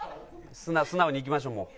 素直にいきましょうもう。